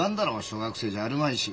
小学生じゃあるまいし。